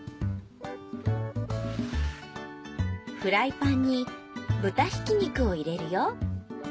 フライパンに豚ひき肉を入れるよ。